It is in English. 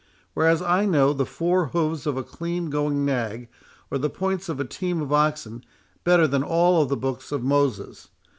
whereas I know the four hoofs of a clean going nag, or the points of a team of oxen, better than all the books of Moses.